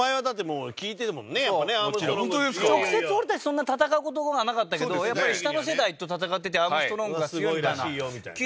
直接俺たちそんな戦う事がなかったけどやっぱり下の世代と戦っててアームストロングが強いみたいな聞いてたよねやっぱりね。